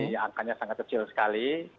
jadi angkanya sangat kecil sekali